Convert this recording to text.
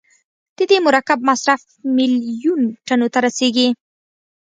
د دې مرکب مصرف میلیون ټنو ته رسیږي.